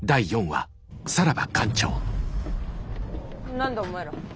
何だお前ら。